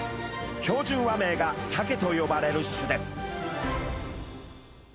標準和名がサケと呼ばれる種です。